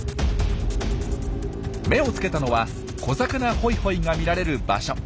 目をつけたのは「小魚ホイホイ」が見られる場所。